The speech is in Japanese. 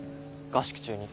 合宿中に。